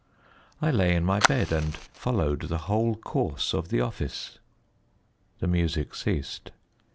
I lay in my bed and followed the whole course of the office. The music ceased.